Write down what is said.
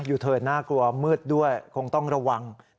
ยูเทิร์นน่ากลัวมืดด้วยคงต้องระวัง